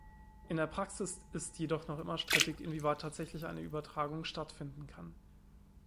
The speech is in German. In der Praxis ist jedoch noch immer strittig, inwieweit tatsächlich eine Übertragung stattfinden kann.